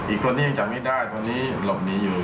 อีกคนนี้ยังจับไม่ได้ตอนนี้หลบหนีอยู่